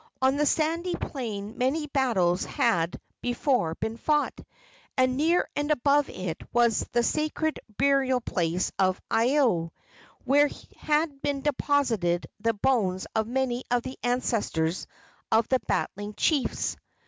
On the sandy plain many battles had before been fought, and near and above it was the sacred burial place of Iao, where had been deposited the bones of many of the ancestors of the battling chiefs.